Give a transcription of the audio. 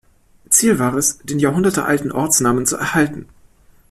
Ziel war es, den jahrhundertealten Ortsnamen zu erhalten.